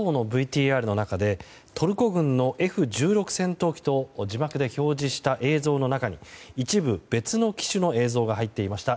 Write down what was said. ＮＡＴＯのＶＴＲの中でトルコ軍のＦ１６戦闘機と字幕で表示した映像の中に一部別の機種の映像が入っていました。